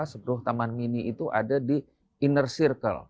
sebuah taman mini itu ada di inner circle